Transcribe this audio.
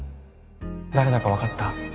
誰だか分かった？